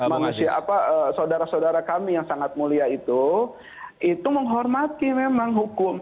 manusia apa saudara saudara kami yang sangat mulia itu itu menghormati memang hukum